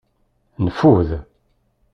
Neffud.